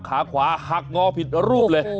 ขาขวาหักงอผิดรูปเลย